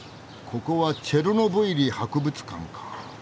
ここはチェルノブイリ博物館か。